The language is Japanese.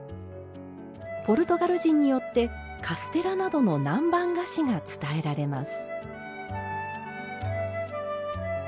ポルトガル人によってカステラなどの南蛮菓子が伝えられます。